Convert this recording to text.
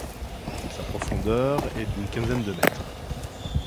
Sa profondeur est d'une quinzaine de mètres.